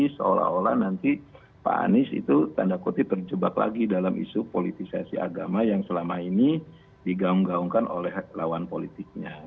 seolah olah nanti pak anies itu tanda kutip terjebak lagi dalam isu politisasi agama yang selama ini digaung gaungkan oleh lawan politiknya